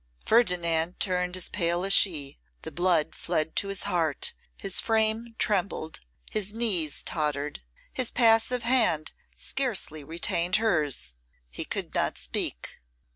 Ferdinand turned as pale as she; the blood fled to his heart, his frame trembled, his knees tottered, his passive hand scarcely retained hers; he could not speak.